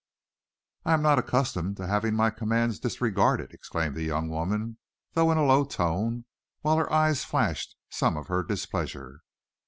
"I am not accustomed to having my commands disregarded," exclaimed the young woman, though in a low tone, while her eyes flashed some of her displeasure.